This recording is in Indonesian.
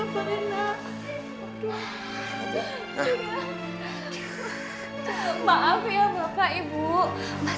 ya ampun namanya juga usaha